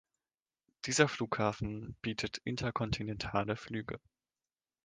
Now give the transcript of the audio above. Dieser Flughafen bietet interkontinentale Flüge.